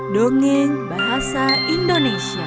dongeng bahasa indonesia